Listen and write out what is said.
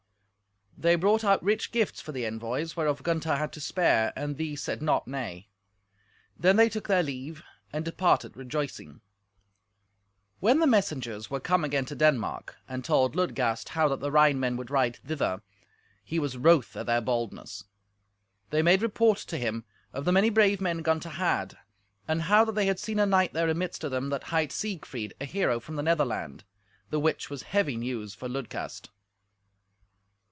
They brought out rich gifts for the envoys, whereof Gunther had to spare, and these said not "nay." Then they took their leave, and departed rejoicing. When the messengers were come again to Denmark, and told Ludgast how that the Rhine men would ride thither, he was wroth at their boldness. They made report to him of the many brave men Gunther had, and how that they had seen a knight there amidst of them that hight Siegfried, a hero from the Netherland, the which was heavy news for Ludgast.